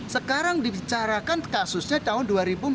sekarang dibicarakan kasusnya tahun dua ribu empat belas